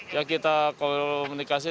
yang kita komunikasi